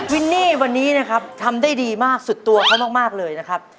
วินนี่วันนี้นะครับทำได้ดีมากสุดตัวเขามากเลยนะครับ